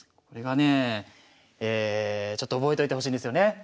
これがねえちょっと覚えといてほしいんですよね。